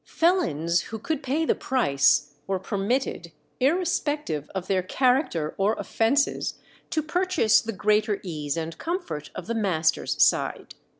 Felons who could pay the price were permitted, irrespective of their character or offences, to purchase the greater ease and comfort of the master's side.